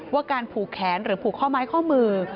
ว่าการผูกแขนหรือผูกข้อไม้ข้อมือ